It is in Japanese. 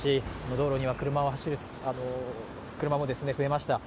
道路には車も増えました。